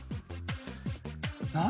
何？